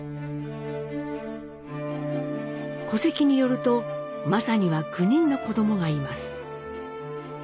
戸籍によると應には９人の子どもがいます。